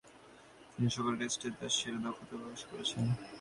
তিনি সকল টেস্টেই তাঁর সেরা দক্ষতা প্রকাশ করেছেন।